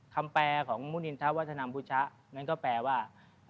แปลของมุนินทะวัฒนามบุชะนั้นก็แปลว่า